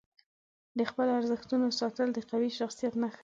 د خپلو ارزښتونو ساتل د قوي شخصیت نښه ده.